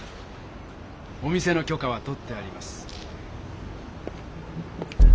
お店のきょかは取ってあります。